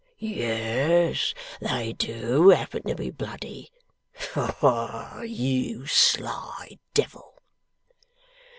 Yes, they do happen to be bloody. Ah, you sly devil!